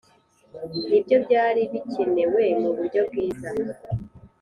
ni byo byari bikenewe mu buryo bwiza